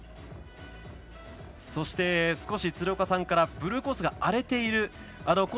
そして、少し鶴岡さんからブルーコースが荒れている。